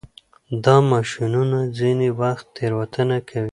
دا ماشینونه ځینې وخت تېروتنه کوي.